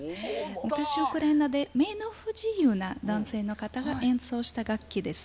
昔、ウクライナで目の不自由な男性が演奏した楽器です。